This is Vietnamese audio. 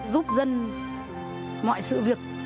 giúp dân mọi sự việc